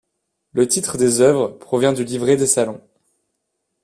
Le titre des œuvres provient du livret des salons.